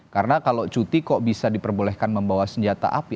karena kalau cuti kok bisa diperbolehkan membawa senjata api